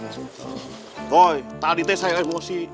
woy tadi tuh saya emosi